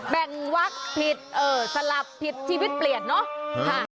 แบ่งวักผิดสลับผิดทิวิทย์เปลี่ยนเนาะ